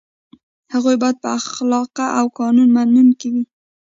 هغه باید با اخلاقه او قانون منونکی وي.